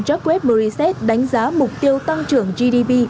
jack webber reset đánh giá mục tiêu tăng trưởng gdp